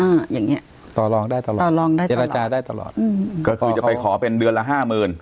อย่างเงี้ยต่อลองได้ตลอดต่อรองได้เจรจาได้ตลอดอืมก็คือจะไปขอเป็นเดือนละห้าหมื่น